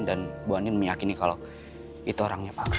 dan bu andin meyakini kalau itu orangnya pak